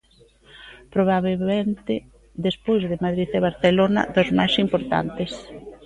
Probabelmente, despois de Madrid e Barcelona, dos máis importantes.